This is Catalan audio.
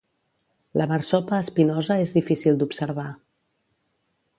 La marsopa espinosa és difícil d'observar.